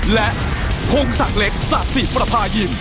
และพงศักดิ์เล็กสะสิประพายิน